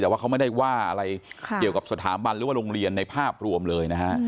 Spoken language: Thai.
แต่ว่าเขาไม่ได้ว่าอะไรเกี่ยวกับสถาบันหรือว่าโรงเรียนในภาพรวมเลยนะฮะ